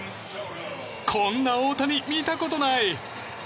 こんな大谷、見たことない！